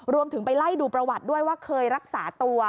ไปไล่ดูประวัติด้วยว่าเคยรักษาตัว